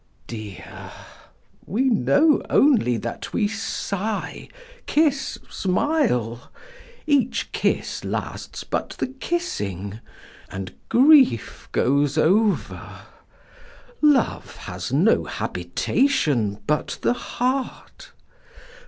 ... Dear, we know only that we sigh, kiss, smile; Each kiss lasts but the kissing; and grief goes over; Love has no habitation but the heart.